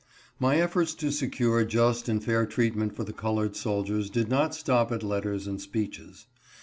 My efforts to secure just and fair treatment for the colored soldiers did not stop at letters and speeches.